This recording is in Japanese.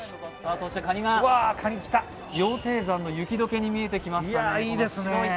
そしてかにが、羊蹄山の雪解けに見えてきましたね。